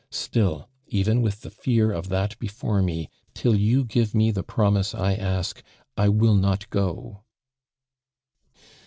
Still, even with the fear of that before me, till you give me the promiso I ask, I will not go."